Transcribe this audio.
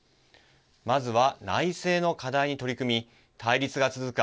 まずは内政の課題に取り組み対立が続く